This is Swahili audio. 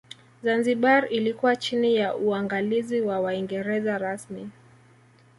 Zanzibar ilikuwa chini ya uangalizi wa Waingereza rasmi